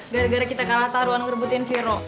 gara gara kita kalah taruhan ngerebutin viro